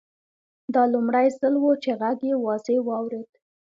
دا لومړی ځل و چې غږ یې واضح واورېد